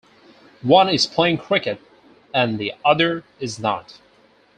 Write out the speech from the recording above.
One is playing cricket and the other is not.